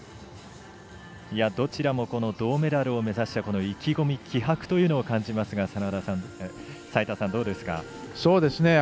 どちらも銅メダルを目指した意気込み気迫というのを感じますが齋田さん、どうですか？